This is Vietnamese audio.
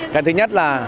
cái thứ nhất là